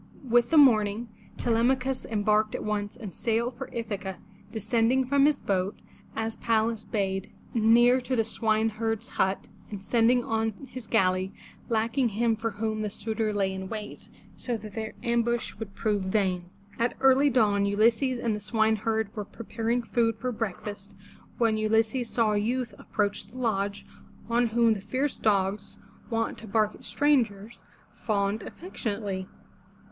With the morning Te lem'a chus embarked at once and sailed for Ithaca, descending from his boat, as Pallas bade, near to the swineherd's hut, and sending on his galley, lacking him for whom the suitors lay in wait, so that their ambush would prove vain. At early dawn Ulysses and the swineherd were preparing food for breakfast when Ulysses saw a youth approach the lodge, on whom the fierce dogs, wont to bark at strangers, fawned affectionately.